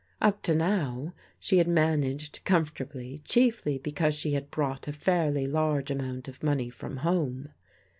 Up to now, she had managed comfortably chiefly \)ecause she had brought a fairly large amount of money from home.